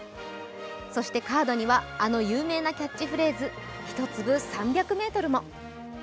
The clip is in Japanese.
そしてカードにはあの有名なキャッチフレーズ「一粒３００メートル」も。